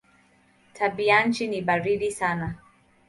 Tabianchi ni baridi sana.